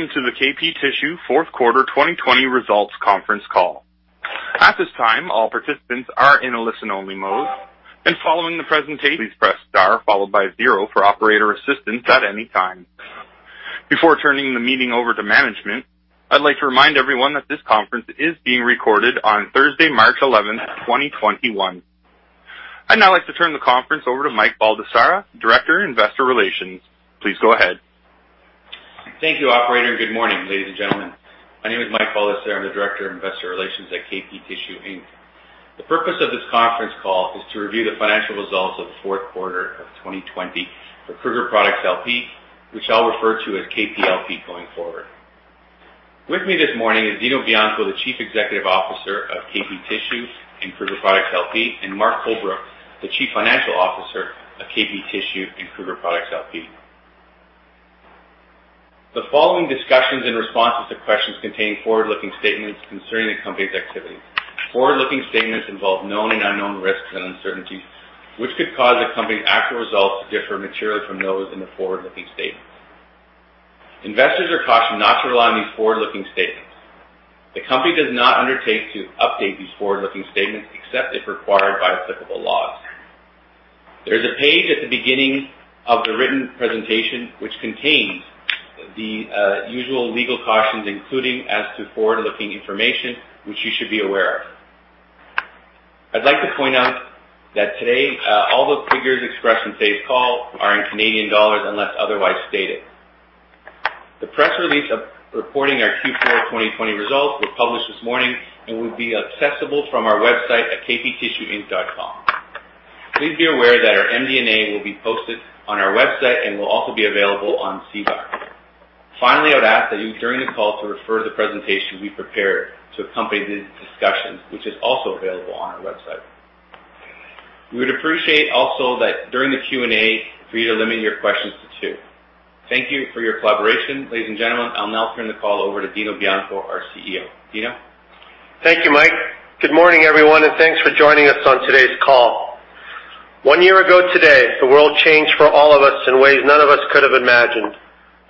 Welcome to the KP Tissue fourth quarter 2020 results conference call. At this time, all participants are in a listen-only mode, and following the presentation, please press star followed by zero for operator assistance at any time. Before turning the meeting over to management, I'd like to remind everyone that this conference is being recorded on Thursday, March 11th, 2021. I'd now like to turn the conference over to Mike Baldesarra, Director of Investor Relations. Please go ahead. Thank you, Operator. Good morning, ladies and gentlemen. My name is Mike Baldesarra. I'm the Director of Investor Relations at KP Tissue Inc. The purpose of this conference call is to review the financial results of the fourth quarter of 2020 for Kruger Products LP, which I'll refer to as KP LP going forward. With me this morning is Dino Bianco, the Chief Executive Officer of KP Tissue and Kruger Products LP, and Mark Holbrook, the Chief Financial Officer of KP Tissue and Kruger Products LP. The following discussions and responses to questions contain forward-looking statements concerning the company's activities. Forward-looking statements involve known and unknown risks and uncertainties, which could cause the company's actual results to differ materially from those in the forward-looking statements. Investors are cautioned not to rely on these forward-looking statements. The company does not undertake to update these forward-looking statements except if required by applicable laws. There is a page at the beginning of the written presentation which contains the usual legal cautions, including as to forward-looking information, which you should be aware of. I'd like to point out that today all the figures expressed in today's call are in Canadian dollars unless otherwise stated. The press release reporting our Q4 2020 results was published this morning and will be accessible from our website at kptissueinc.com. Please be aware that our MD&A will be posted on our website and will also be available on SEDAR. Finally, I would ask that you, during the call, refer to the presentation we prepared to accompany these discussions, which is also available on our website. We would appreciate also that during the Q&A for you to limit your questions to two. Thank you for your collaboration. Ladies and gentlemen, I'll now turn the call over to Dino Bianco, our CEO. Dino? Thank you, Mike. Good morning, everyone, and thanks for joining us on today's call. One year ago today, the world changed for all of us in ways none of us could have imagined.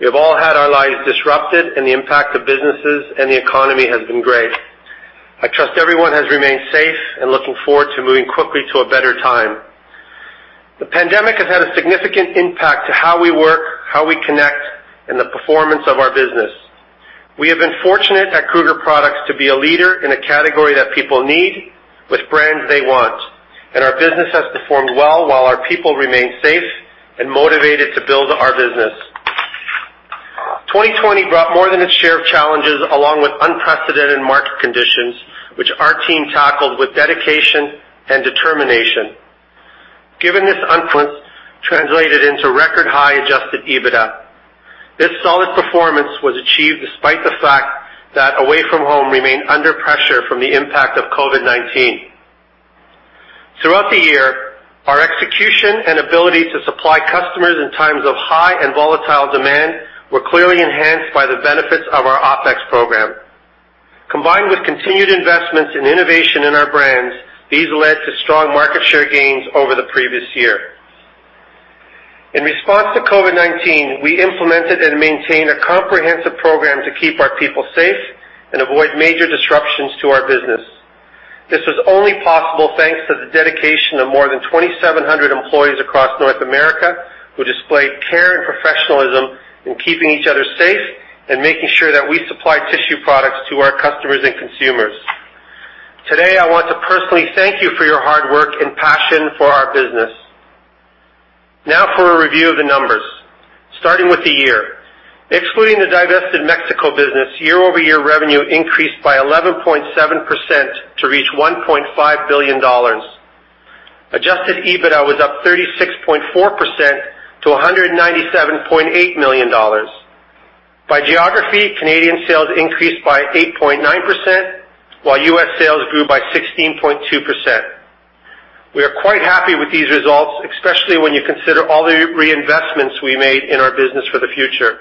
We have all had our lives disrupted, and the impact of businesses and the economy has been great. I trust everyone has remained safe and is looking forward to moving quickly to a better time. The pandemic has had a significant impact on how we work, how we connect, and the performance of our business. We have been fortunate at Kruger Products to be a leader in a category that people need, with brands they want, and our business has performed well while our people remain safe and motivated to build our business. 2020 brought more than its share of challenges, along with unprecedented market conditions, which our team tackled with dedication and determination. Given this unprecedented performance, translated into record-high adjusted EBITDA. This solid performance was achieved despite the fact that Away-From-Home remained under pressure from the impact of COVID-19. Throughout the year, our execution and ability to supply customers in times of high and volatile demand were clearly enhanced by the benefits of our OpEx program. Combined with continued investments and innovation in our brands, these led to strong market share gains over the previous year. In response to COVID-19, we implemented and maintained a comprehensive program to keep our people safe and avoid major disruptions to our business. This was only possible thanks to the dedication of more than 2,700 employees across North America who displayed care and professionalism in keeping each other safe and making sure that we supply tissue products to our customers and consumers. Today, I want to personally thank you for your hard work and passion for our business. Now for a review of the numbers. Starting with the year, excluding the divested Mexico business, year-over-year revenue increased by 11.7% to reach 1.5 billion dollars. Adjusted EBITDA was up 36.4% to 197.8 million dollars. By geography, Canadian sales increased by 8.9%, while U.S. sales grew by 16.2%. We are quite happy with these results, especially when you consider all the reinvestments we made in our business for the future.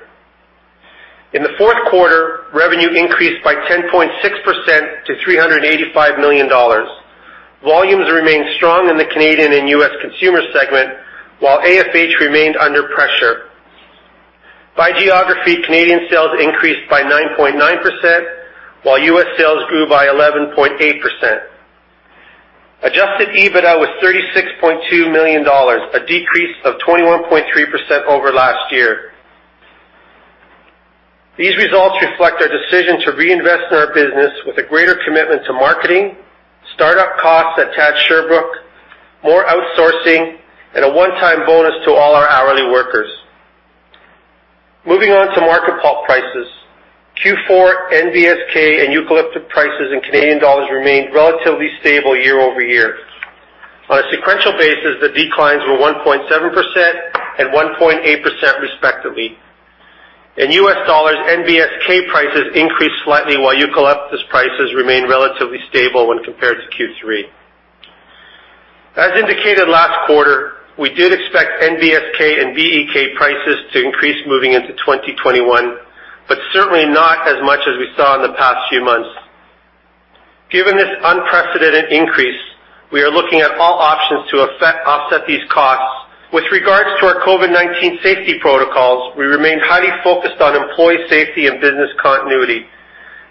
In the fourth quarter, revenue increased by 10.6% to 385 million dollars. Volumes remained strong in the Canadian and U.S. consumer segment, while AFH remained under pressure. By geography, Canadian sales increased by 9.9%, while U.S. sales grew by 11.8%. Adjusted EBITDA was 36.2 million dollars, a decrease of 21.3% over last year. These results reflect our decision to reinvest in our business with a greater commitment to marketing, startup costs at TAD Sherbrooke, more outsourcing, and a one-time bonus to all our hourly workers. Moving on to market pulp prices, Q4 NBSK and eucalyptus prices in Canadian dollars remained relatively stable year-over-year. On a sequential basis, the declines were 1.7% and 1.8% respectively. In U.S. dollars, NBSK prices increased slightly, while eucalyptus prices remained relatively stable when compared to Q3. As indicated last quarter, we did expect NBSK and BEK prices to increase moving into 2021, but certainly not as much as we saw in the past few months. Given this unprecedented increase, we are looking at all options to offset these costs. With regards to our COVID-19 safety protocols, we remained highly focused on employee safety and business continuity.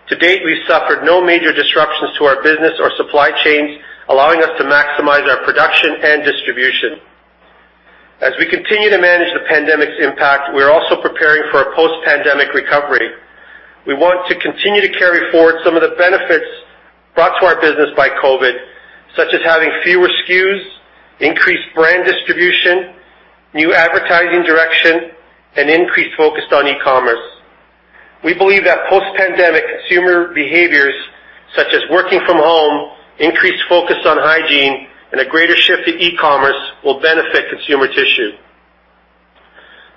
To date, we've suffered no major disruptions to our business or supply chains, allowing us to maximize our production and distribution. As we continue to manage the pandemic's impact, we are also preparing for a post-pandemic recovery. We want to continue to carry forward some of the benefits brought to our business by COVID, such as having fewer SKUs, increased brand distribution, new advertising direction, and increased focus on e-commerce. We believe that post-pandemic consumer behaviors, such as working from home, increased focus on hygiene, and a greater shift to e-commerce will benefit consumer tissue.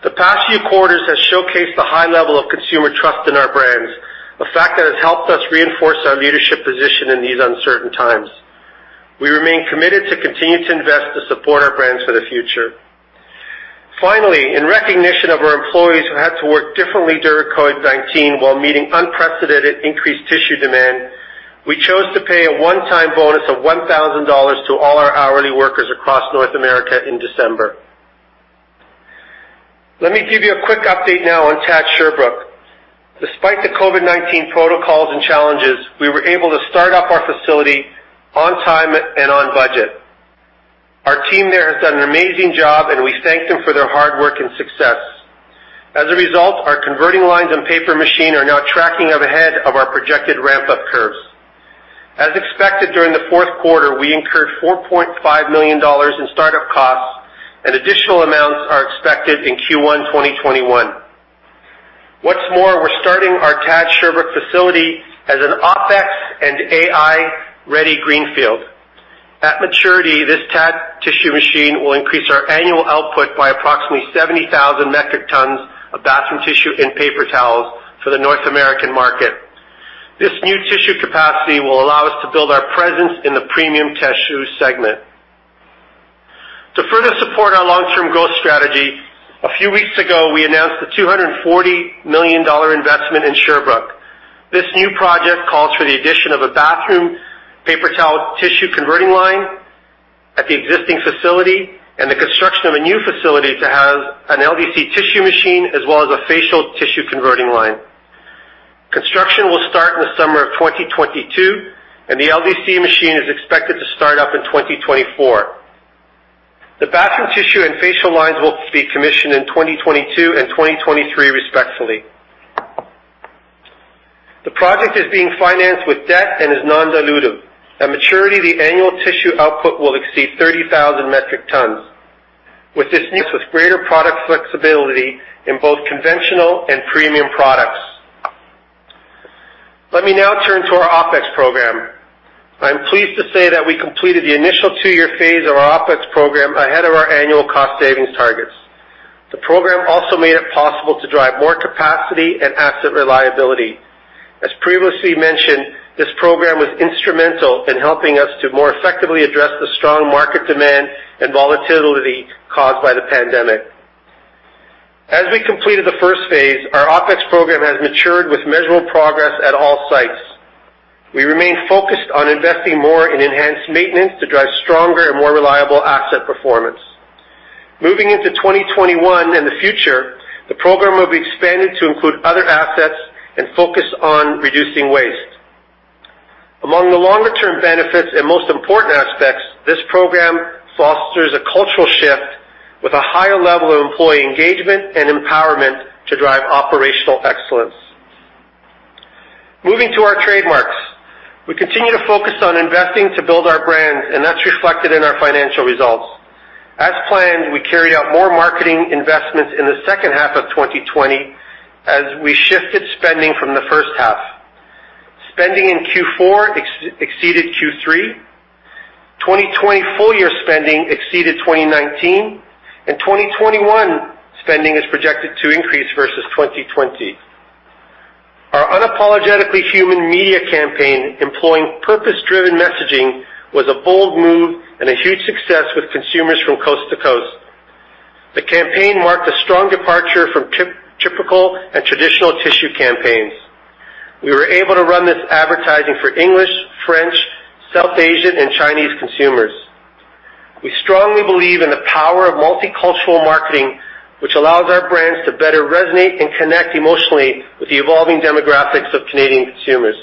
The past few quarters have showcased a high level of consumer trust in our brands, a fact that has helped us reinforce our leadership position in these uncertain times. We remain committed to continue to invest to support our brands for the future. Finally, in recognition of our employees who had to work differently during COVID-19 while meeting unprecedented increased tissue demand, we chose to pay a one-time bonus of 1,000 dollars to all our hourly workers across North America in December. Let me give you a quick update now on TAD Sherbrooke. Despite the COVID-19 protocols and challenges, we were able to start up our facility on time and on budget. Our team there has done an amazing job, and we thank them for their hard work and success. As a result, our converting lines and paper machine are now tracking ahead of our projected ramp-up curves. As expected during the fourth quarter, we incurred CAD 4.5 million in startup costs, and additional amounts are expected in Q1 2021. What's more, we're starting our TAD Sherbrooke facility as an OpEx and AI-ready greenfield. At maturity, this TAD tissue machine will increase our annual output by approximately 70,000 metric tons of bathroom tissue and paper towels for the North American market. This new tissue capacity will allow us to build our presence in the premium tissue segment. To further support our long-term growth strategy, a few weeks ago, we announced the 240 million dollar investment in Sherbrooke. This new project calls for the addition of a bathroom paper towel tissue converting line at the existing facility and the construction of a new facility to house an LDC tissue machine as well as a facial tissue converting line. Construction will start in the summer of 2022, and the LDC machine is expected to start up in 2024. The bathroom tissue and facial lines will be commissioned in 2022 and 2023 respectively. The project is being financed with debt and is non-dilutive. At maturity, the annual tissue output will exceed 30,000 metric tons. With greater product flexibility in both conventional and premium products. Let me now turn to our OpEx program. I am pleased to say that we completed the initial two-year phase of our OpEx program ahead of our annual cost savings targets. The program also made it possible to drive more capacity and asset reliability. As previously mentioned, this program was instrumental in helping us to more effectively address the strong market demand and volatility caused by the pandemic. As we completed the first phase, our OpEx program has matured with measurable progress at all sites. We remain focused on investing more in enhanced maintenance to drive stronger and more reliable asset performance. Moving into 2021 and the future, the program will be expanded to include other assets and focus on reducing waste. Among the longer-term benefits and most important aspects, this program fosters a cultural shift with a higher level of employee engagement and empowerment to drive operational excellence. Moving to our trademarks, we continue to focus on investing to build our brands, and that's reflected in our financial results. As planned, we carried out more marketing investments in the second half of 2020 as we shifted spending from the first half. Spending in Q4 exceeded Q3. 2020 full-year spending exceeded 2019, and 2021 spending is projected to increase versus 2020. Our Unapologetically Human media campaign employing purpose-driven messaging was a bold move and a huge success with consumers from coast to coast. The campaign marked a strong departure from typical and traditional tissue campaigns. We were able to run this advertising for English, French, South Asian, and Chinese consumers. We strongly believe in the power of multicultural marketing, which allows our brands to better resonate and connect emotionally with the evolving demographics of Canadian consumers.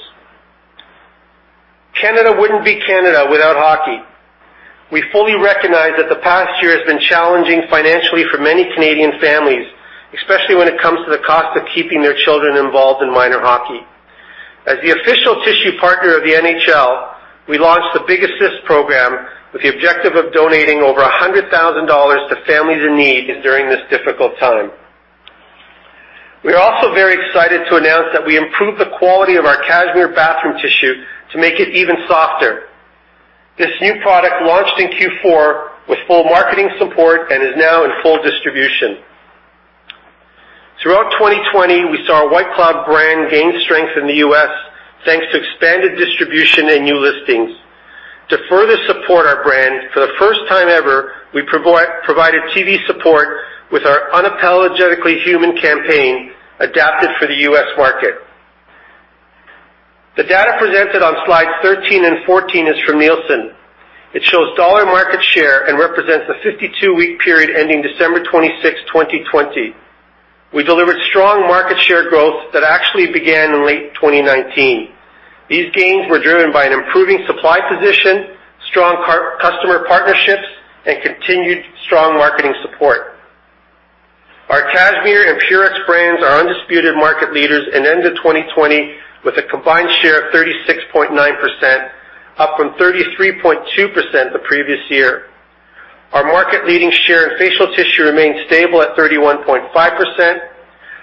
Canada wouldn't be Canada without hockey. We fully recognize that the past year has been challenging financially for many Canadian families, especially when it comes to the cost of keeping their children involved in minor hockey. As the official tissue partner of the NHL, we launched the Big Assist program with the objective of donating over 100,000 dollars to families in need during this difficult time. We are also very excited to announce that we improved the quality of our Cashmere bathroom tissue to make it even softer. This new product launched in Q4 with full marketing support and is now in full distribution. Throughout 2020, we saw our White Cloud brand gain strength in the U.S. thanks to expanded distribution and new listings. To further support our brand, for the first time ever, we provided TV support with our Unapologetically Human campaign adapted for the U.S. market. The data presented on slides 13 and 14 is from Nielsen. It shows dollar market share and represents the 52-week period ending December 26, 2020. We delivered strong market share growth that actually began in late 2019. These gains were driven by an improving supply position, strong customer partnerships, and continued strong marketing support. Our Cashmere and Purex brands are undisputed market leaders in end of 2020 with a combined share of 36.9%, up from 33.2% the previous year. Our market-leading share in facial tissue remained stable at 31.5%.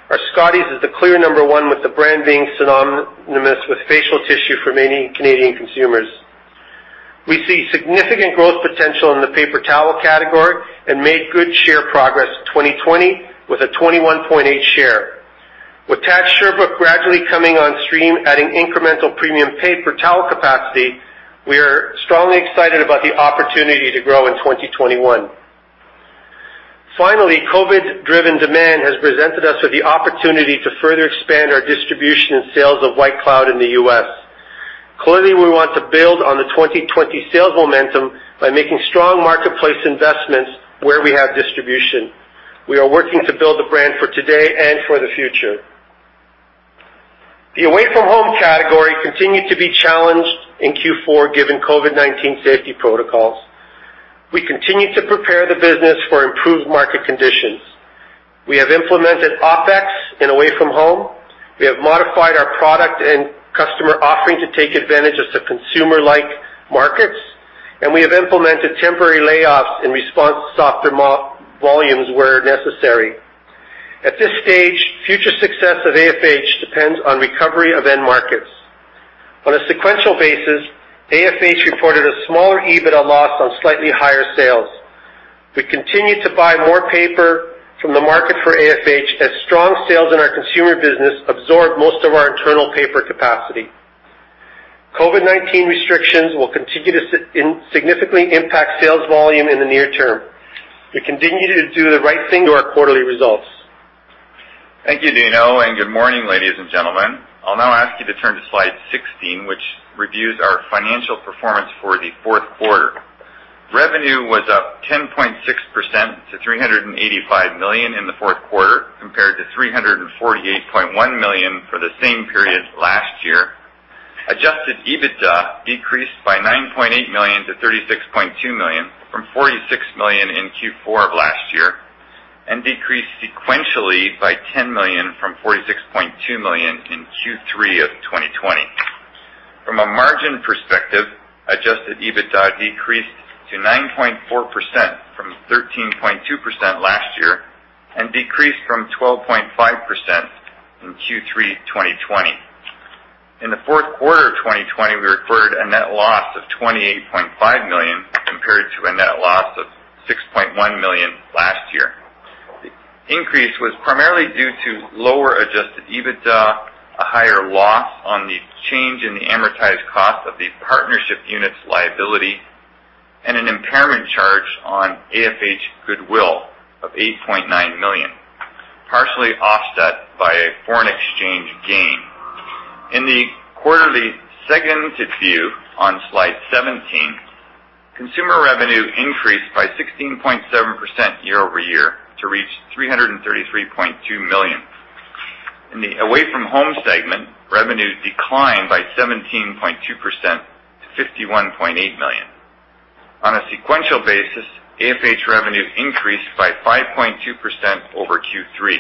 Our Scotties is the clear number one with the brand being synonymous with facial tissue for many Canadian consumers. We see significant growth potential in the paper towel category and made good share progress in 2020 with a 21.8% share. With TAD Sherbrooke gradually coming on stream, adding incremental premium paper towel capacity, we are strongly excited about the opportunity to grow in 2021. Finally, COVID-driven demand has presented us with the opportunity to further expand our distribution and sales of White Cloud in the U.S. Clearly, we want to build on the 2020 sales momentum by making strong marketplace investments where we have distribution. We are working to build the brand for today and for the future. The away-from-home category continued to be challenged in Q4 given COVID-19 safety protocols. We continue to prepare the business for improved market conditions. We have implemented OpEx in away-from-home. We have modified our product and customer offering to take advantage of the consumer-like markets, and we have implemented temporary layoffs in response to softer volumes where necessary. At this stage, future success of AFH depends on recovery of end markets. On a sequential basis, AFH reported a smaller EBITDA loss on slightly higher sales. We continue to buy more paper from the market for AFH as strong sales in our consumer business absorbed most of our internal paper capacity. COVID-19 restrictions will continue to significantly impact sales volume in the near term. We continue to do the right thing to our quarterly results. Thank you, Dino, and good morning, ladies and gentlemen. I'll now ask you to turn to slide 16, which reviews our financial performance for the fourth quarter. Revenue was up 10.6% to 385 million in the fourth quarter compared to 348.1 million for the same period last year. Adjusted EBITDA decreased by 9.8 million to 36.2 million from 46 million in Q4 of last year and decreased sequentially by 10 million from 46.2 million in Q3 of 2020. From a margin perspective, adjusted EBITDA decreased to 9.4% from 13.2% last year and decreased from 12.5% in Q3 2020. In the fourth quarter of 2020, we recorded a net loss of 28.5 million compared to a net loss of 6.1 million last year. The increase was primarily due to lower adjusted EBITDA, a higher loss on the change in the amortized cost of the Partnership Units liability, and an impairment charge on AFH Goodwill of 8.9 million, partially offset by a foreign exchange gain. In the quarterly segmented view on slide 17, consumer revenue increased by 16.7% year-over-year to reach 333.2 million. In the Away-From-Home segment, revenue declined by 17.2% to 51.8 million. On a sequential basis, AFH revenue increased by 5.2% over Q3.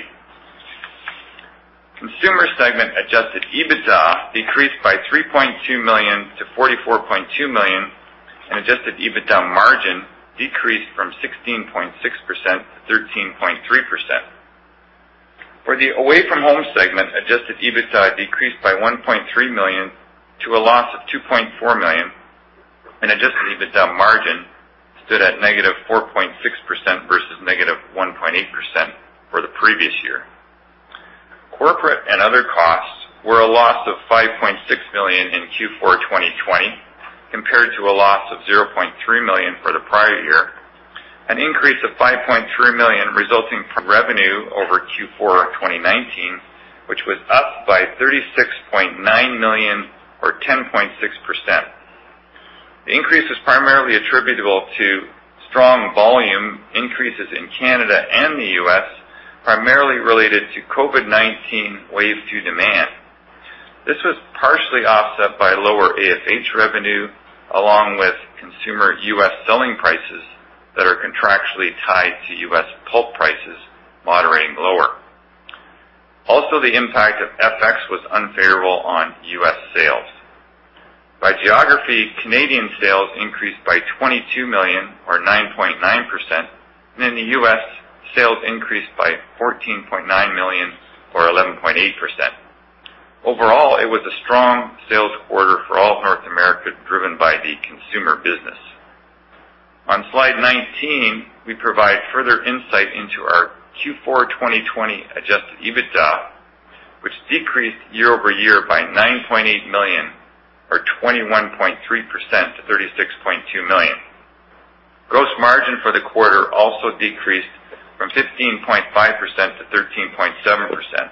Consumer segment Adjusted EBITDA decreased by 3.2 million to 44.2 million, and Adjusted EBITDA margin decreased from 16.6% to 13.3%. For the Away-From-Home segment, Adjusted EBITDA decreased by 1.3 million to a loss of 2.4 million, and Adjusted EBITDA margin stood at -4.6% versus -1.8% for the previous year. Corporate and other costs were a loss of 5.6 million in Q4 2020 compared to a loss of 0.3 million for the prior year, an increase of 5.3 million resulting from revenue over Q4 2019, which was up by 36.9 million or 10.6%. The increase is primarily attributable to strong volume increases in Canada and the U.S., primarily related to COVID-19 Wave 2 demand. This was partially offset by lower AFH revenue along with consumer U.S. selling prices that are contractually tied to U.S. pulp prices moderating lower. Also, the impact of FX was unfavorable on U.S. sales. By geography, Canadian sales increased by 22 million or 9.9%, and in the U.S., sales increased by 14.9 million or 11.8%. Overall, it was a strong sales quarter for all of North America driven by the consumer business. On slide 19, we provide further insight into our Q4 2020 Adjusted EBITDA, which decreased year-over-year by 9.8 million or 21.3% to 36.2 million. Gross margin for the quarter also decreased from 15.5% to 13.7%.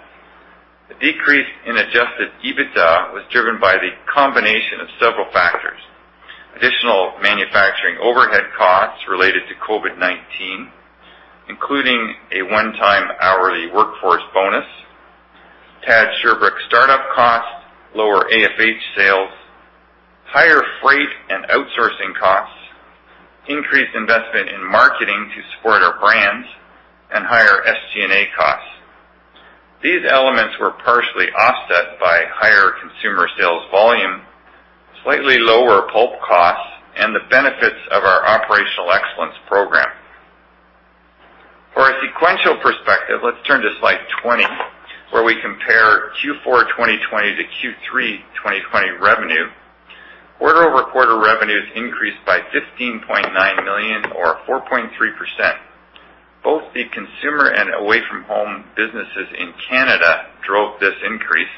The decrease in Adjusted EBITDA was driven by the combination of several factors: additional manufacturing overhead costs related to COVID-19, including a one-time hourly workforce bonus, TAD Sherbrooke startup costs, lower AFH sales, higher freight and outsourcing costs, increased investment in marketing to support our brand, and higher SG&A costs. These elements were partially offset by higher consumer sales volume, slightly lower pulp costs, and the benefits of our operational excellence program. For a sequential perspective, let's turn to slide 20, where we compare Q4 2020 to Q3 2020 revenue. Quarter-over-quarter revenues increased by 15.9 million or 4.3%. Both the consumer and Away-From-Home businesses in Canada drove this increase,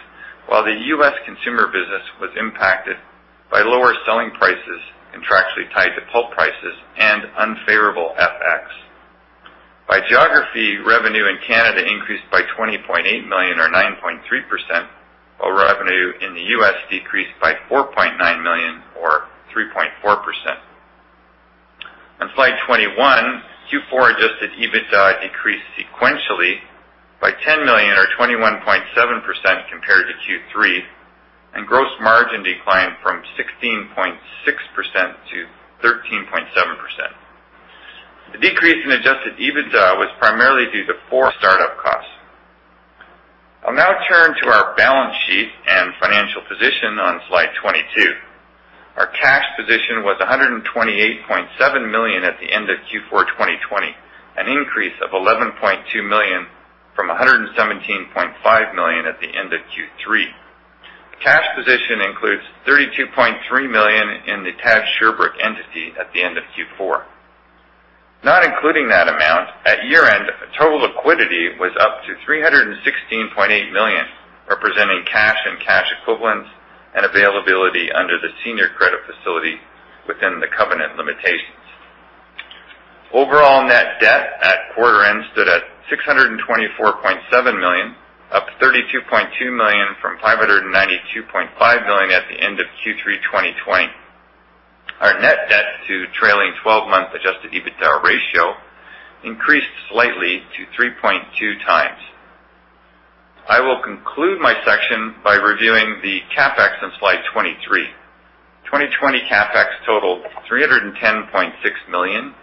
while the U.S. consumer business was impacted by lower selling prices contractually tied to pulp prices and unfavorable FX. By geography, revenue in Canada increased by 20.8 million or 9.3%, while revenue in the U.S. Decreased by 4.9 million or 3.4%. On slide 21, Q4 adjusted EBITDA decreased sequentially by 10 million or 21.7% compared to Q3, and gross margin declined from 16.6% to 13.7%. The decrease in adjusted EBITDA was primarily due to poor startup costs. I'll now turn to our balance sheet and financial position on slide 22. Our cash position was 128.7 million at the end of Q4 2020, an increase of 11.2 million from 117.5 million at the end of Q3. Cash position includes 32.3 million in the TAD Sherbrooke entity at the end of Q4. Not including that amount, at year-end, total liquidity was up to 316.8 million, representing cash and cash equivalents and availability under the senior credit facility within the covenant limitations. Overall net debt at quarter-end stood at 624.7 million, up 32.2 million from 592.5 million at the end of Q3 2020. Our net debt to trailing 12-month Adjusted EBITDA ratio increased slightly to 3.2x. I will conclude my section by reviewing the CapEx on slide 23. 2020 CapEx totaled 310.6 million,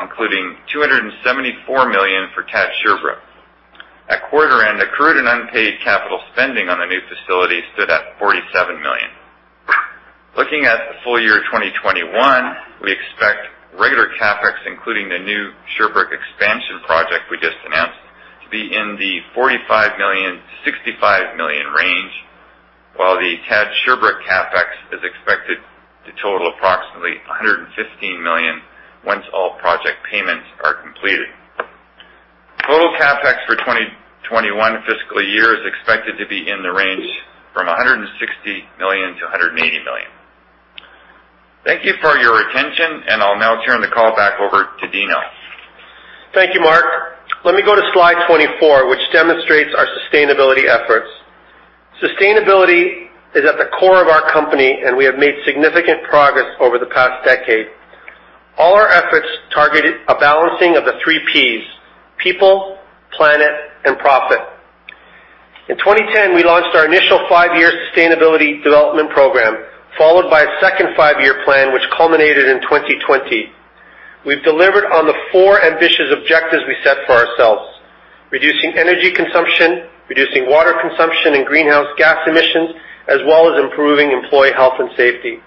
including 274 million for TAD Sherbrooke. At quarter-end, accrued and unpaid capital spending on the new facility stood at 47 million. Looking at the full year 2021, we expect regular CapEx, including the new Sherbrooke expansion project we just announced, to be in the 45 million-65 million range, while the TAD Sherbrooke CapEx is expected to total approximately 115 million once all project payments are completed. Total CapEx for 2021 fiscal year is expected to be in the range from 160 million-180 million. Thank you for your attention, and I'll now turn the call back over to Dino. Thank you, Mark. Let me go to slide 24, which demonstrates our sustainability efforts. Sustainability is at the core of our company, and we have made significant progress over the past decade. All our efforts targeted a balancing of the three P's: people, planet, and profit. In 2010, we launched our initial five-year sustainability development program, followed by a second five-year plan which culminated in 2020. We've delivered on the four ambitious objectives we set for ourselves: reducing energy consumption, reducing water consumption and greenhouse gas emissions, as well as improving employee health and safety.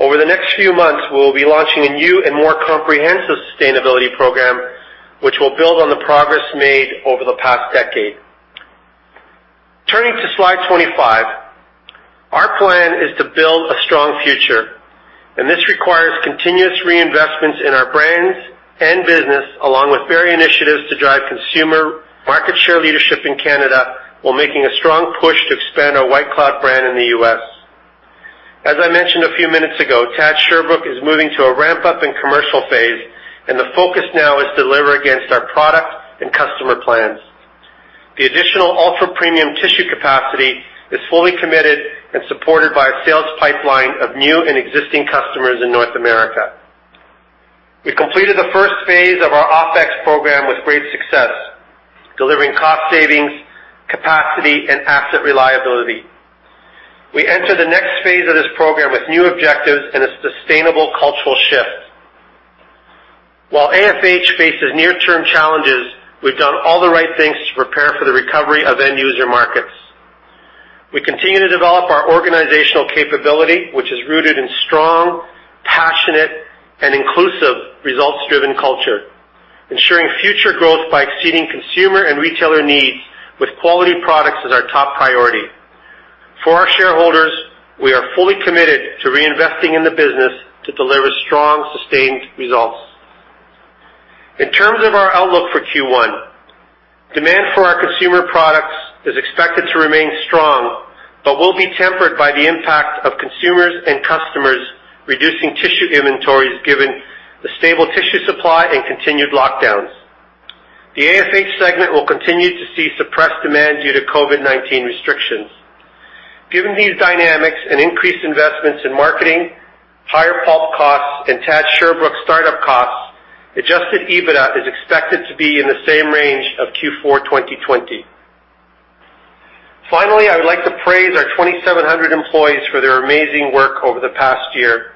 Over the next few months, we will be launching a new and more comprehensive sustainability program, which will build on the progress made over the past decade. Turning to slide 25, our plan is to build a strong future, and this requires continuous reinvestments in our brands and business, along with various initiatives to drive consumer market share leadership in Canada while making a strong push to expand our White Cloud brand in the U.S. As I mentioned a few minutes ago, TAD Sherbrooke is moving to a ramp-up and commercial phase, and the focus now is to deliver against our product and customer plans. The additional ultra-premium tissue capacity is fully committed and supported by a sales pipeline of new and existing customers in North America. We completed the first phase of our OpEx program with great success, delivering cost savings, capacity, and asset reliability. We enter the next phase of this program with new objectives and a sustainable cultural shift. While AFH faces near-term challenges, we've done all the right things to prepare for the recovery of end-user markets. We continue to develop our organizational capability, which is rooted in strong, passionate, and inclusive results-driven culture, ensuring future growth by exceeding consumer and retailer needs with quality products as our top priority. For our shareholders, we are fully committed to reinvesting in the business to deliver strong, sustained results. In terms of our outlook for Q1, demand for our consumer products is expected to remain strong but will be tempered by the impact of consumers and customers reducing tissue inventories given the stable tissue supply and continued lockdowns. The AFH segment will continue to see suppressed demand due to COVID-19 restrictions. Given these dynamics and increased investments in marketing, higher pulp costs, and TAD Sherbrooke startup costs, Adjusted EBITDA is expected to be in the same range of Q4 2020. Finally, I would like to praise our 2,700 employees for their amazing work over the past year.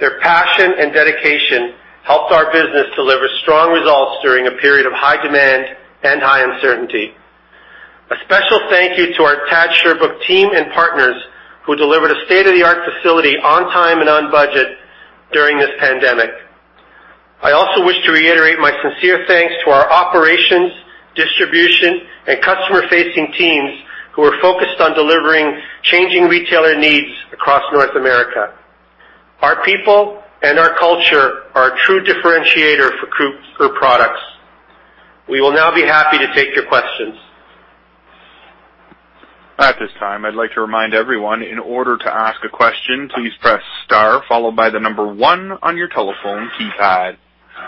Their passion and dedication helped our business deliver strong results during a period of high demand and high uncertainty. A special thank you to our TAD Sherbrooke team and partners who delivered a state-of-the-art facility on time and on budget during this pandemic. I also wish to reiterate my sincere thanks to our operations, distribution, and customer-facing teams who are focused on delivering changing retailer needs across North America. Our people and our culture are a true differentiator for Kruger Products. We will now be happy to take your questions. At this time, I'd like to remind everyone in order to ask a question, please press star followed by the number one on your telephone keypad.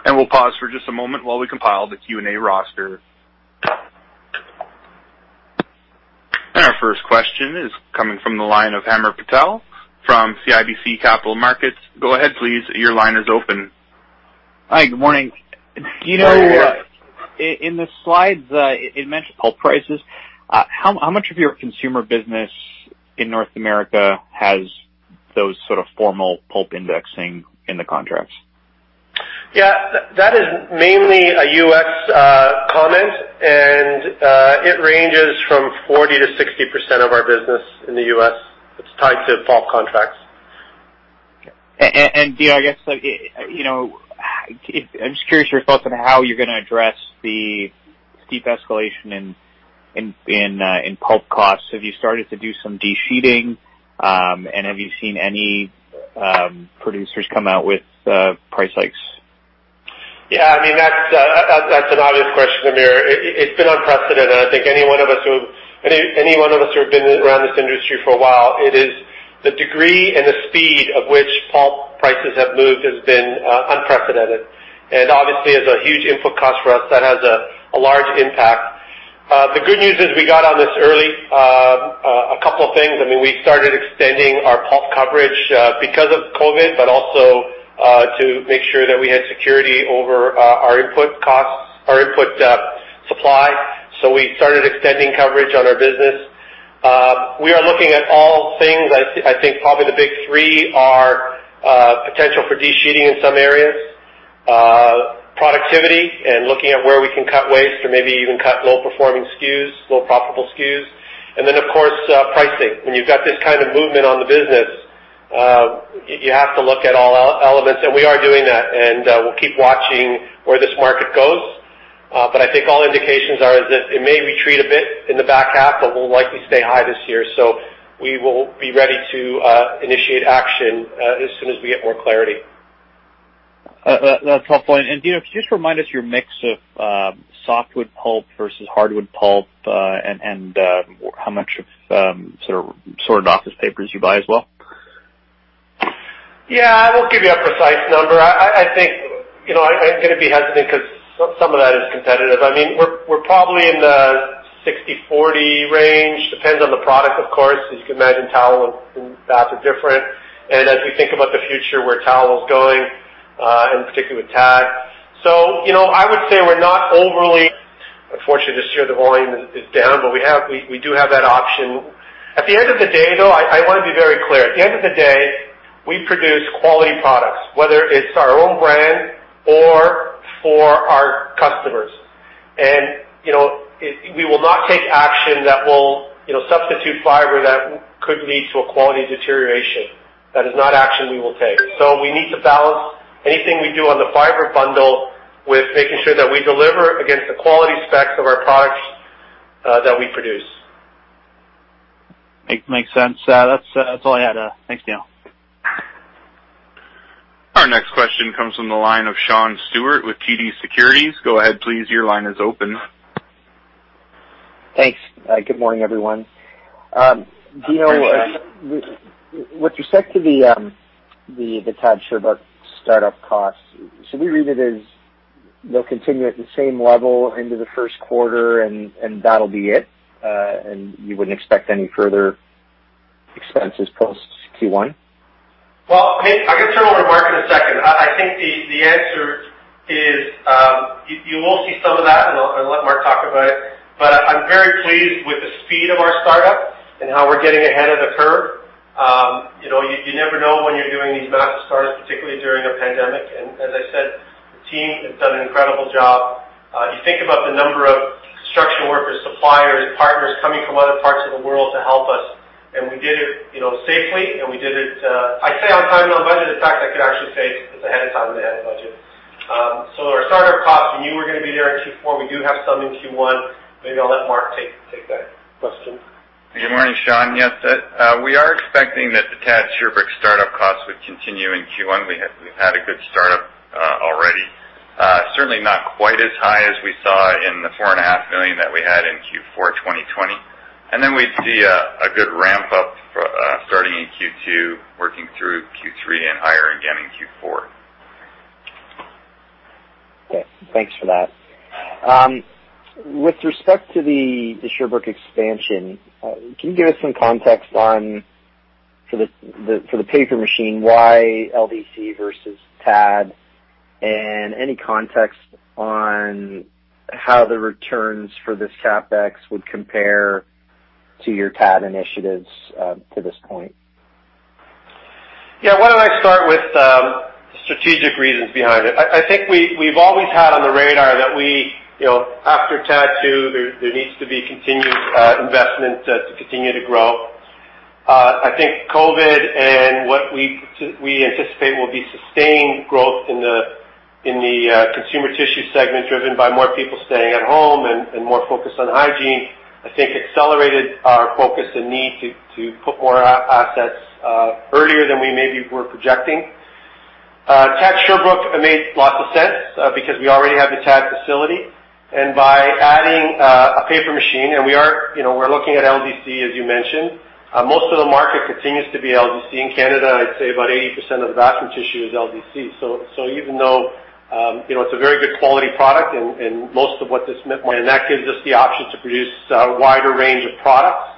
And we'll pause for just a moment while we compile the Q&A roster. Our first question is coming from the line of Hamir Patel from CIBC Capital Markets. Go ahead, please. Your line is open. Hi. Good morning. In the slides, it mentioned pulp prices. How much of your consumer business in North America has those sort of formal pulp indexing in the contracts? Yeah. That is mainly a U.S. comment, and it ranges from 40%-60% of our business in the U.S. It's tied to pulp contracts. And, Dino, I guess I'm just curious your thoughts on how you're going to address the steep escalation in pulp costs. Have you started to do some de-risking, and have you seen any producers come out with price hikes? Yeah. I mean, that's an obvious question, Hamir. It's been unprecedented. I think any one of us who have been around this industry for a while. It is the degree and the speed of which pulp prices have moved has been unprecedented. Obviously, it's a huge input cost for us that has a large impact. The good news is we got on this early. A couple of things. I mean, we started extending our pulp coverage because of COVID, but also to make sure that we had security over our input costs, our input supply. So we started extending coverage on our business. We are looking at all things. I think probably the big three are potential for de-sheeting in some areas, productivity, and looking at where we can cut waste or maybe even cut low-performing SKUs, low-profitable SKUs. And then, of course, pricing. When you've got this kind of movement on the business, you have to look at all elements, and we are doing that. And we'll keep watching where this market goes. But I think all indications are that it may retreat a bit in the back half, but we'll likely stay high this year. So we will be ready to initiate action as soon as we get more clarity. That's helpful. And, Dino, could you just remind us your mix of softwood pulp versus hardwood pulp and how much of sort of sorted office papers you buy as well? Yeah. I won't give you a precise number. I think I'm going to be hesitant because some of that is competitive. I mean, we're probably in the 60/40 range. Depends on the product, of course. As you can imagine, towel and bath are different. As we think about the future, where towel is going, and particularly with TAD. I would say we're not overly. Unfortunately, this year, the volume is down, but we do have that option. At the end of the day, though, I want to be very clear. At the end of the day, we produce quality products, whether it's our own brand or for our customers. We will not take action that will substitute fiber that could lead to a quality deterioration. That is not action we will take. We need to balance anything we do on the fiber bundle with making sure that we deliver against the quality specs of our products that we produce. Makes sense. That's all I had. Thanks, Dino. Our next question comes from the line of Sean Steuart with TD Securities. Go ahead, please. Your line is open. Thanks. Good morning, everyone. Dino, with respect to the TAD Sherbrooke startup costs, should we read it as they'll continue at the same level into the first quarter, and that'll be it, and you wouldn't expect any further expenses post Q1? Well, I'm going to turn over to Mark in a second. I think the answer is you will see some of that, and I'll let Mark talk about it. But I'm very pleased with the speed of our startup and how we're getting ahead of the curve. You never know when you're doing these massive startups, particularly during a pandemic. And as I said, the team has done an incredible job. You think about the number of construction workers, suppliers, partners coming from other parts of the world to help us. And we did it safely, and we did it, I'd say, on time and on budget. In fact, I could actually say it's ahead of time and ahead of budget. So our startup costs, we knew we were going to be there in Q4. We do have some in Q1. Maybe I'll let Mark take that question. Good morning, Sean. Yes. We are expecting that the TAD Sherbrooke startup costs would continue in Q1. We've had a good startup already. Certainly not quite as high as we saw in the 4.5 million that we had in Q4 2020. And then we'd see a good ramp-up starting in Q2, working through Q3 and higher again in Q4. Thanks for that. With respect to the Sherbrooke expansion, can you give us some context for the paper machine, why LDC versus TAD, and any context on how the returns for this CapEx would compare to your TAD initiatives to this point? Yeah. Why don't I start with the strategic reasons behind it? I think we've always had on the radar that after TAD 2, there needs to be continued investment to continue to grow. I think COVID and what we anticipate will be sustained growth in the consumer tissue segment driven by more people staying at home and more focus on hygiene, I think accelerated our focus and need to put more assets earlier than we maybe were projecting. TAD Sherbrooke made lots of sense because we already have the TAD facility. And by adding a paper machine, and we're looking at LDC, as you mentioned, most of the market continues to be LDC. In Canada, I'd say about 80% of the bathroom tissue is LDC. So even though it's a very good quality product and most of what this. That gives us the option to produce a wider range of products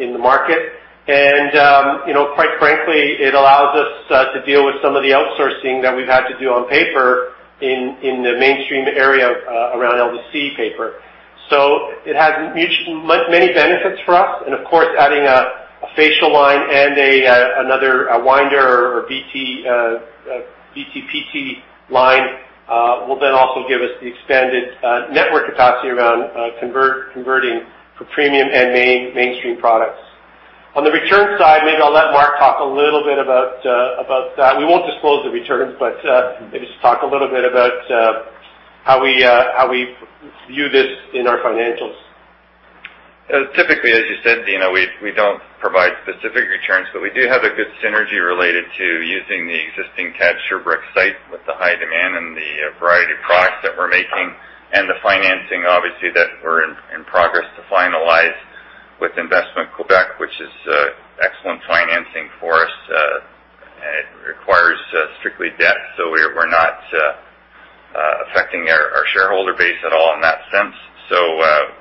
in the market. Quite frankly, it allows us to deal with some of the outsourcing that we've had to do on paper in the mainstream area around LDC paper. So it has many benefits for us. Of course, adding a facial line and another winder or BT PT line will then also give us the expanded network capacity around converting for premium and mainstream products. On the return side, maybe I'll let Mark talk a little bit about that. We won't disclose the returns, but maybe just talk a little bit about how we view this in our financials. Typically, as you said, Dino, we don't provide specific returns, but we do have a good synergy related to using the existing TAD Sherbrooke site with the high demand and the variety of products that we're making and the financing, obviously, that we're in progress to finalize with Investissement Québec, which is excellent financing for us. It requires strictly debt, so we're not affecting our shareholder base at all in that sense. So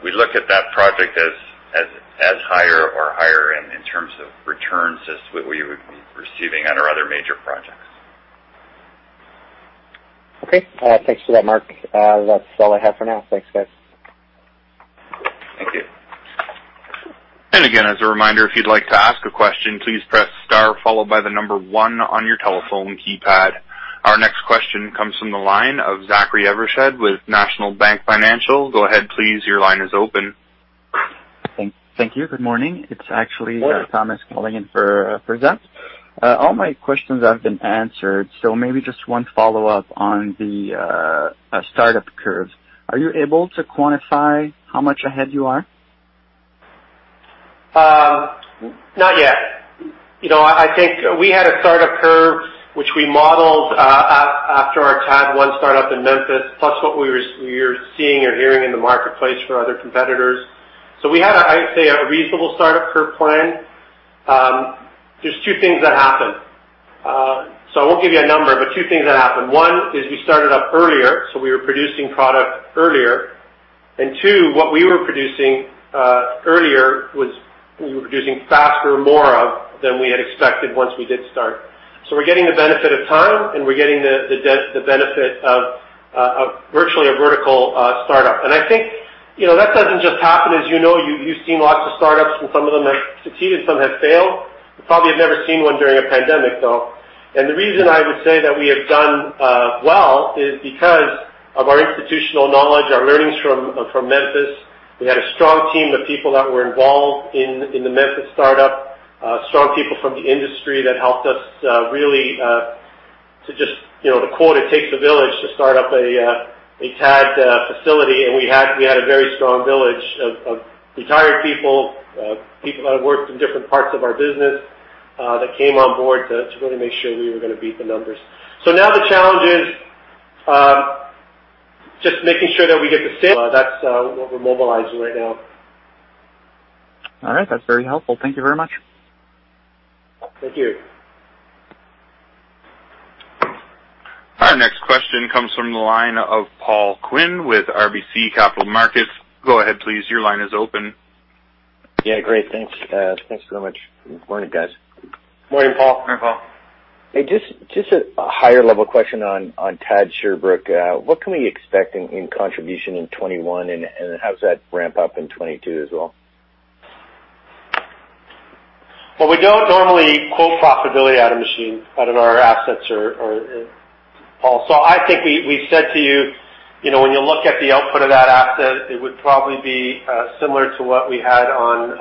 we look at that project as higher or higher in terms of returns as what we would be receiving on our other major projects. Okay. Thanks for that, Mark. That's all I have for now. Thanks, guys. Thank you. And again, as a reminder, if you'd like to ask a question, please press star followed by the number one on your telephone keypad. Our next question comes from the line of Zachary Evershed with National Bank Financial. Go ahead, please. Your line is open. Thank you. Good morning. It's actually Thomas calling in for Zach. All my questions have been answered, so maybe just one follow-up on the startup curve. Are you able to quantify how much ahead you are? Not yet. I think we had a startup curve, which we modeled after our TAD 1 startup in Memphis, plus what we were seeing or hearing in the marketplace for other competitors. So we had, I'd say, a reasonable startup curve plan. There's two things that happened. So I won't give you a number, but two things that happened. One is we started up earlier, so we were producing product earlier. And two, what we were producing earlier was we were producing faster more of than we had expected once we did start. So we're getting the benefit of time, and we're getting the benefit of virtually a vertical startup. And I think that doesn't just happen. As you know, you've seen lots of startups, and some of them have succeeded, and some have failed. You probably have never seen one during a pandemic, though. And the reason I would say that we have done well is because of our institutional knowledge, our learnings from Memphis. We had a strong team of people that were involved in the Memphis startup, strong people from the industry that helped us really to just, to quote, "It takes a village to start up a TAD facility." And we had a very strong village of retired people, people that worked in different parts of our business that came on board to really make sure we were going to beat the numbers. So now the challenge is just making sure that we get the. That's what we're mobilizing right now. All right. That's very helpful. Thank you very much. Thank you. Our next question comes from the line of Paul Quinn with RBC Capital Markets. Go ahead, please. Your line is open. Yeah. Great. Thanks. Thanks so much. Good morning, guys. Good morning, Paul. Good morning, Paul. Just a higher-level question on TAD Sherbrooke. What can we expect in contribution in 2021, and how does that ramp up in 2022 as well? Well, we don't normally quote profitability out of our assets or, Paul. So I think we said to you, when you look at the output of that asset, it would probably be similar to what we had on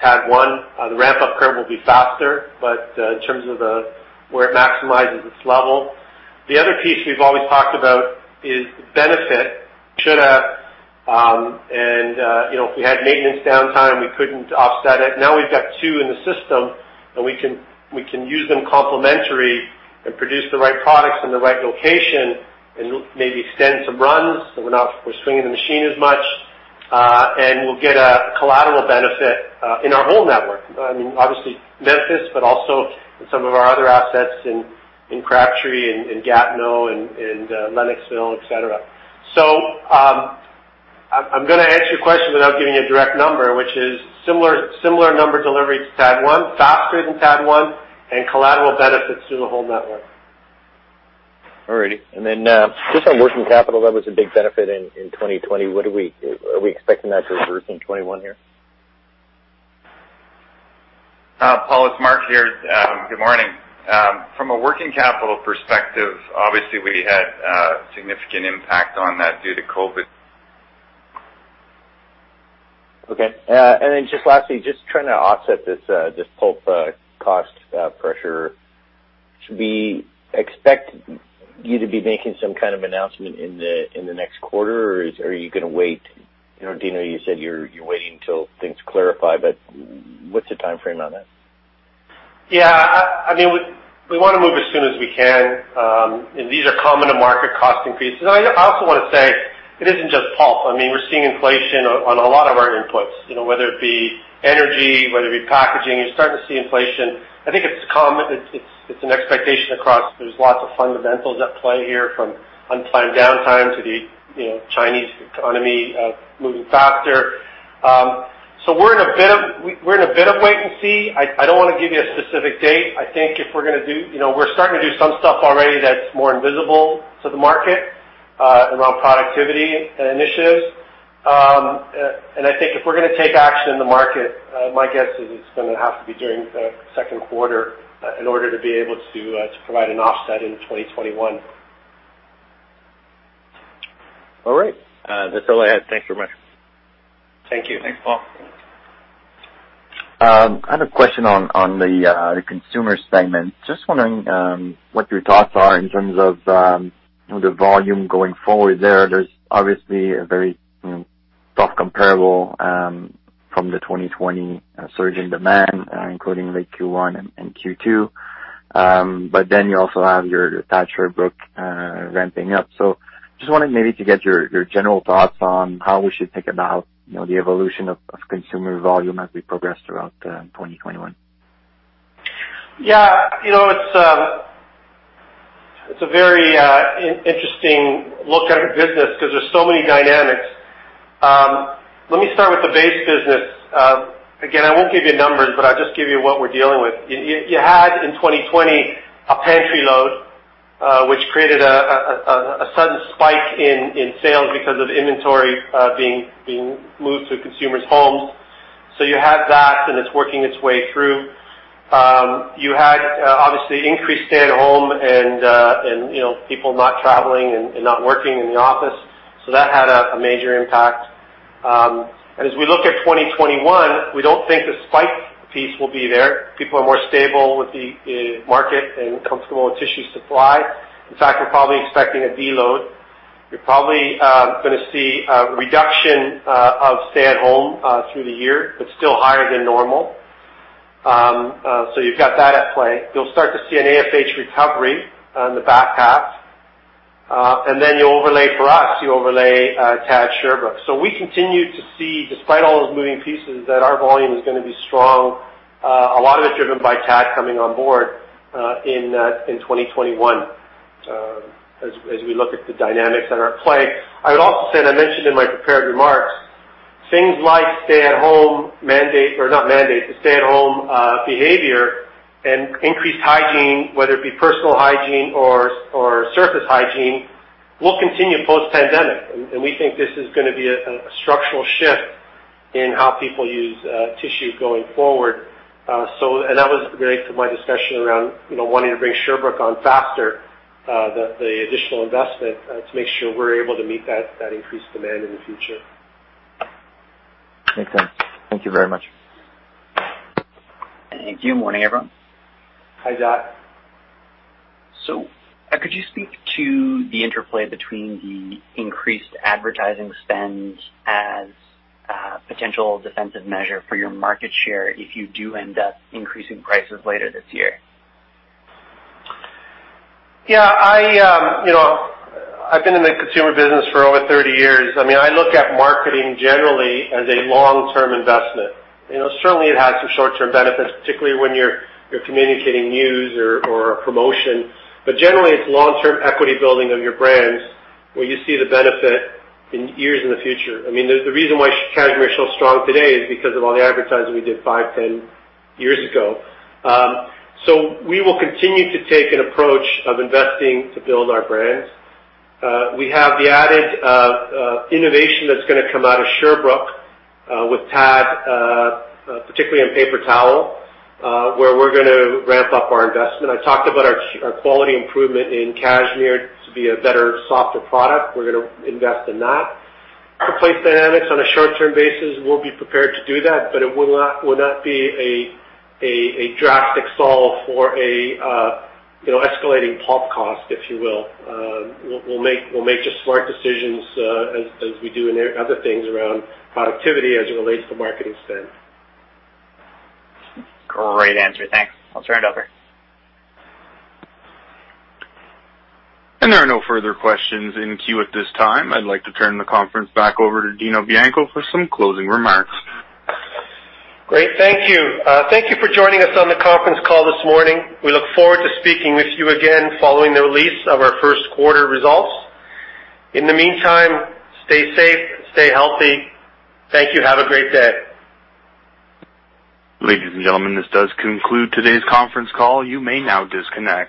TAD 1. The ramp-up curve will be faster, but in terms of where it maximizes its level. The other piece we've always talked about is the benefit. Should have. And if we had maintenance downtime, we couldn't offset it. Now we've got two in the system, and we can use them complementary and produce the right products in the right location and maybe extend some runs so we're not swinging the machine as much. And we'll get a collateral benefit in our whole network. I mean, obviously, Memphis, but also in some of our other assets in Crabtree and Gatineau and Lennoxville, etc. So I'm going to answer your question without giving you a direct number, which is similar number delivery to TAD 1, faster than TAD 1, and collateral benefits to the whole network. All righty. And then just on working capital, that was a big benefit in 2020. Are we expecting that to reverse in 2021 here? Paul, it's Mark here. Good morning. From a working capital perspective, obviously, we had significant impact on that due to COVID. Okay. And then just lastly, just trying to offset this pulp cost pressure, should we expect you to be making some kind of announcement in the next quarter, or are you going to wait? Dino, you said you're waiting until things clarify, but what's the timeframe on that? Yeah. I mean, we want to move as soon as we can. And these are common to market cost increases. And I also want to say it isn't just pulp. I mean, we're seeing inflation on a lot of our inputs, whether it be energy, whether it be packaging. You're starting to see inflation. I think it's an expectation across. There's lots of fundamentals at play here from unplanned downtime to the Chinese economy moving faster. So we're in a bit of a wait and see. I don't want to give you a specific date. I think if we're going to do, we're starting to do some stuff already that's more invisible to the market around productivity initiatives. And I think if we're going to take action in the market, my guess is it's going to have to be during the second quarter in order to be able to provide an offset in 2021. All right. That's all I had. Thanks very much. Thank you. Thanks, Paul. I have a question on the consumer segment. Just wondering what your thoughts are in terms of the volume going forward there. There's obviously a very tough comparable from the 2020 surging demand, including late Q1 and Q2. But then you also have your TAD Sherbrooke ramping up. Just wanted maybe to get your general thoughts on how we should think about the evolution of consumer volume as we progress throughout 2021. Yeah. It's a very interesting look at our business because there's so many dynamics. Let me start with the base business. Again, I won't give you numbers, but I'll just give you what we're dealing with. You had in 2020 a pantry load, which created a sudden spike in sales because of inventory being moved to consumers' homes. So you had that, and it's working its way through. You had, obviously, increased stay-at-home and people not traveling and not working in the office. So that had a major impact. As we look at 2021, we don't think the spike piece will be there. People are more stable with the market and comfortable with tissue supply. In fact, we're probably expecting a de-load. You're probably going to see a reduction of stay-at-home through the year, but still higher than normal. So you've got that at play. You'll start to see an AFH recovery in the back half. Then you overlay for us, you overlay TAD Sherbrooke. So we continue to see, despite all those moving pieces, that our volume is going to be strong, a lot of it driven by TAD coming on board in 2021 as we look at the dynamics that are at play. I would also say, and I mentioned in my prepared remarks, things like stay-at-home mandate or not mandate, the stay-at-home behavior and increased hygiene, whether it be personal hygiene or surface hygiene, will continue post-pandemic. We think this is going to be a structural shift in how people use tissue going forward. That was related to my discussion around wanting to bring Sherbrooke on faster, the additional investment to make sure we're able to meet that increased demand in the future. Makes sense. Thank you very much. Thank you. Good morning, everyone. Hi, Zach. Could you speak to the interplay between the increased advertising spend as a potential defensive measure for your market share if you do end up increasing prices later this year? Yeah. I've been in the consumer business for over 30 years. I mean, I look at marketing generally as a long-term investment. Certainly, it has some short-term benefits, particularly when you're communicating news or a promotion. But generally, it's long-term equity building of your brands where you see the benefit in years in the future. I mean, the reason why Cashmere is so strong today is because of all the advertising we did five, 10 years ago. So we will continue to take an approach of investing to build our brands. We have the added innovation that's going to come out of Sherbrooke with TAD, particularly in paper towel, where we're going to ramp up our investment. I talked about our quality improvement in Cashmere to be a better, softer product. We're going to invest in that. For place dynamics on a short-term basis, we'll be prepared to do that, but it will not be a drastic solve for an escalating pulp cost, if you will. We'll make just smart decisions as we do other things around productivity as it relates to marketing spend. Great answer. Thanks. I'll turn it over. There are no further questions in queue at this time. I'd like to turn the conference back over to Dino Bianco for some closing remarks. Great. Thank you. Thank you for joining us on the conference call this morning. We look forward to speaking with you again following the release of our first quarter results. In the meantime, stay safe, stay healthy. Thank you. Have a great day. Ladies and gentlemen, this does conclude today's conference call. You may now disconnect.